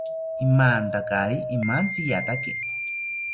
Imantakari imantziyataki